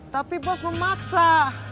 tapi bos memaksa